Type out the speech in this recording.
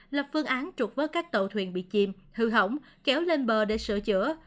lập phương án trục vớt các tàu thuyền bị chìm hư hỏng kéo lên bờ để sửa chữa